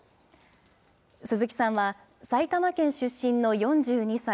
鈴木さんは、埼玉県出身の４２歳。